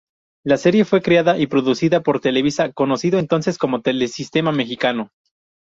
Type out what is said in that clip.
La serie fue creada y producida por Televisa, conocido entonces como Telesistema Mexicano.